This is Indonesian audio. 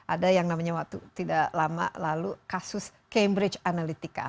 ada yang namanya waktu tidak lama lalu kasus cambridge analytica